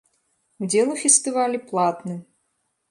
Удзел у фестывалі платны.